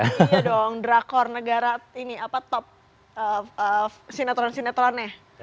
iya dong drakor negara ini apa top sinetron sinetronnya